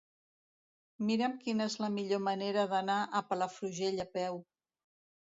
Mira'm quina és la millor manera d'anar a Palafrugell a peu.